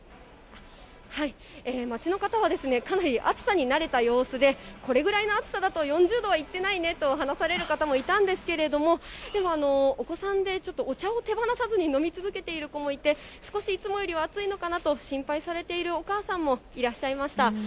街の方は、かなり暑さに慣れた様子で、これぐらいの暑さだと４０度はいってないねと話される方もいたんですけれども、でも、お子さんで、ちょっとお茶を手放さずに飲み続けている子もいて、少しいつもよりは暑いのかなと心配されているお母さんもいらっしゃいました。